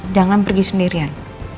jangan pergi sendirian